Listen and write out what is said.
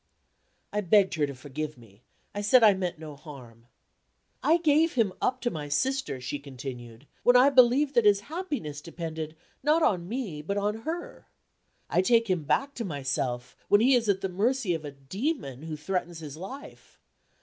I begged her to forgive me; I said I meant no harm. "I gave him up to my sister," she continued, "when I believed that his happiness depended, not on me, but on her. I take him back to myself, when he is at the mercy of a demon who threatens his life.